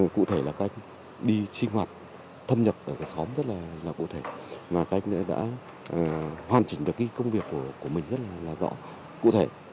cụ thể là các anh đi sinh hoạt thâm nhập ở cái xóm rất là cụ thể mà các anh đã hoàn chỉnh được cái công việc của mình rất là rõ cụ thể